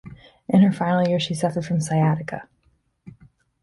In her final years, she suffered from sciatica.